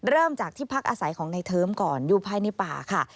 เริ่มจากที่พักอาศัยของในเทิมก่อนอยู่ภายในป่าค่ะ